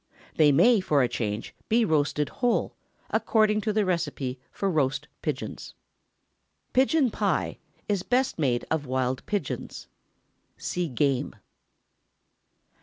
They may, for a change, be roasted whole, according to the receipt for roast pigeons. PIGEON PIE. Is best made of wild pigeons. (SEE GAME.)